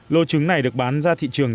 lô trứng này được bán ra thị trường